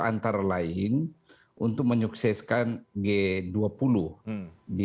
untuk negara negara yang berhasil untuk tetap bernegosiasi untuk tetap bernegosiasi untuk tetap berhubungan dengan jokowi